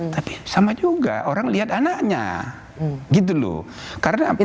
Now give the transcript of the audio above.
tapi sadar sadar terpengaruh itu yang terjadi di indonesia ini itu adalah kekuasaan kita itu